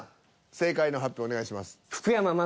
正解の発表をお願いします。